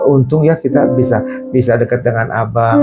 untung ya kita bisa dekat dengan abang